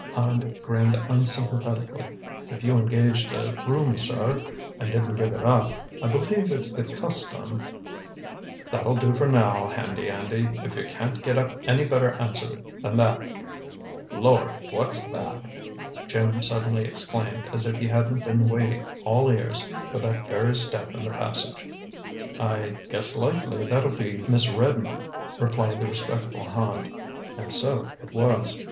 Hand grinned unsympathetically. "If you engaged a room, sir, and didn't give it up, I believe it's the custom " "That'll do for now, Handy Andy, if you can't get up any better answer than that. Lord, what's that!" Jim suddenly exclaimed, as if he hadn't been waiting, all ears, for that very step in the passage. "I guess likely that'll be Miss Redmond," replied the respectful Hand. And so it was.